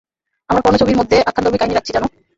আমরা পর্নো ছবির মধ্যে আখ্যানধর্মী কাহিনী রাখছি, জানু।